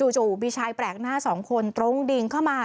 จู่มีชายแปลกหน้าสองคนตรงดิ่งเข้ามา